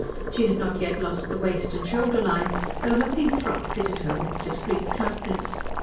She had not yet lost the waist and shoulder line, though her pink frock fitted her with discreet tightness.